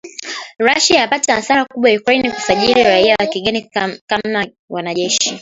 Russia yapata hasara kubwa Ukraine kusajili raia wa kigeni kama wanajeshi